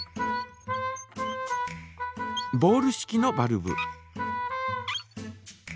ボール式のバルブ。